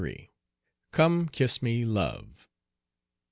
COME KISS ME, LOVE.